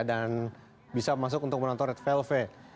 dan bisa masuk untuk menonton red velvet